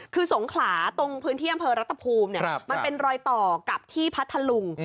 คือสงขลาตรงพื้นที่อำเภอรัตภูมิมันเป็นรอยต่อกับที่พัทธลุง